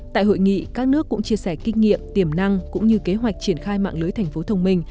tại hội nghị các nước cũng chia sẻ kinh nghiệm tiềm năng cũng như kế hoạch triển khai mạng lưới thành phố thông minh